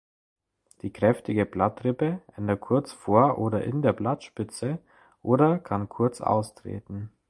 Die kräftige Blattrippe endet kurz vor oder in der Blattspitze oder kann kurz austreten.